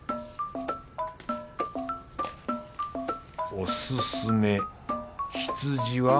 おすすめ羊は。